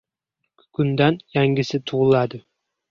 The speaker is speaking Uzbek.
Kukundan yangisi tug‘iladi.